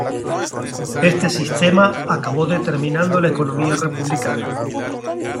Este sistema acabó determinando la economía republicana.